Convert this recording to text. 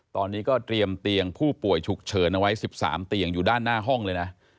ตอนนี้ก็เตรียมเตียงผู้ป่วยฉุกเฉินเอาไว้๑๓เตียงอยู่ด้านหน้าห้องเลยนะ